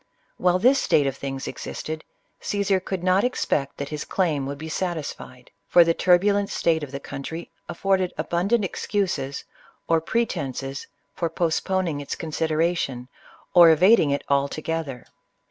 While this state of things existed, Caesar could not expect that his claim would be satisfied ; for the turbulent state of the country afforded abundant excuses, or pretences, for postponing its consideration, or evading it alto gether.